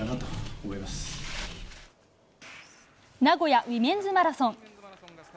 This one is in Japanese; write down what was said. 名古屋ウィメンズマラソン。